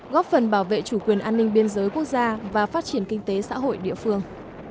góp phần bảo vệ chủ quyền an ninh biên giới quốc gia và phát triển kinh tế xã hội địa phương